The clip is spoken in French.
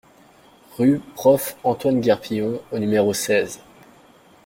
Rue Prof. Antoine Guerpillon au numéro seize